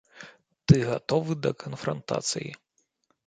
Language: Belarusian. Ты гатовы да канфрантацыі.